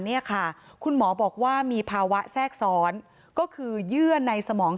เนี่ยค่ะคุณหมอบอกว่ามีภาวะแทรกซ้อนก็คือเยื่อในสมอง